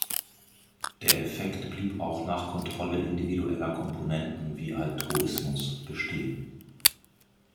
Der Effekt blieb auch nach Kontrolle individueller Komponenten wie Altruismus bestehen.